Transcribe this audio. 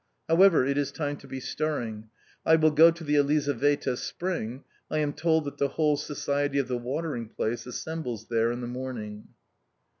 However, it is time to be stirring. I will go to the Elizaveta spring I am told that the whole society of the watering place assembles there in the morning.